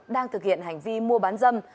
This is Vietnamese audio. đang thực hiện hành vi mua bán dâm